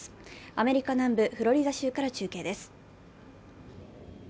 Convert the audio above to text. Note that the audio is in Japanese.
アメリカ南部フロリダ州から中継です。